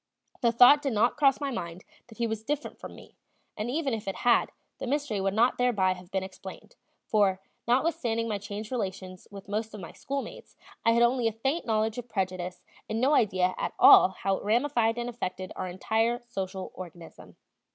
The thought did not cross my mind that he was different from me, and even if it had, the mystery would not thereby have been explained; for, notwithstanding my changed relations with most of my schoolmates, I had only a faint knowledge of prejudice and no idea at all how it ramified and affected our entire social organism.